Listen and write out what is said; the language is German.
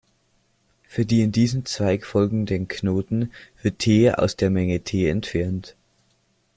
Für die in diesem Zweig folgenden Knoten wird "t" aus der Menge "T" entfernt.